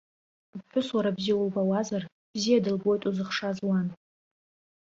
Уԥҳәыс уара бзиа улбауазар, бзиа дылбоит узыхшаз уан.